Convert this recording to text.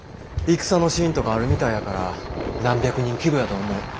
戦のシーンとかあるみたいやから何百人規模やと思う。